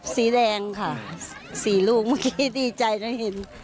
สีแดงค่ะ๔ลูกเมื่อกี้ดีใจนะเห็น